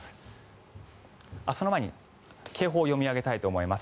警報を読み上げたいと思います。